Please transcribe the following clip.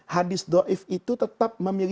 hadis do'if itu tetap memiliki kekuasaan yang berbeda